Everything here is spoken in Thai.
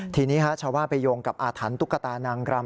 ทีนี้ชาวบ้านไปโยงกับอาถรรพตุ๊กตานางรำ